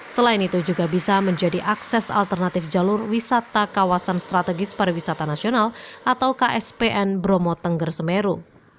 selain itu juga bisa menjadi akses alternatif jalur wisata kawasan strategis pariwisata nasional atau kspn bromo tengger semeru